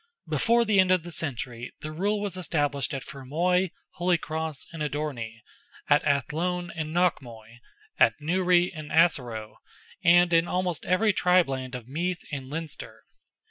Before the end of the century, the rule was established at Fermoy, Holycross, and Odorney; at Athlone and Knockmoy; at Newry and Assaroe, and in almost every tribe land of Meath and Leinster.